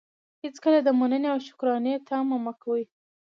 هېڅکله د منني او شکرانې طمعه مه کوئ!